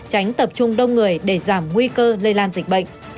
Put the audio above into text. tránh tập trung đông người để giảm nguy cơ lây lan dịch bệnh